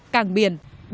ba càng biển